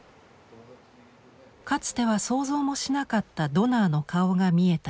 かつては想像もしなかったドナーの顔が見えた